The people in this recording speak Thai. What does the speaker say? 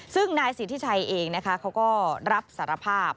ซึ่งนายสิทธิชัยเองนะคะเขาก็รับสารภาพ